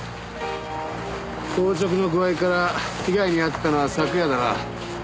硬直の具合から被害に遭ったのは昨夜だな。